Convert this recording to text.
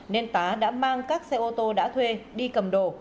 nên tá đã mang các xe ô tô đã thuê đi cầm đồ